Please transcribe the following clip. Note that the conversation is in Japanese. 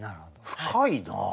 深いなあ。